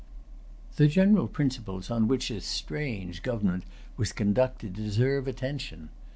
The general principles on which this strange government was conducted deserve attention.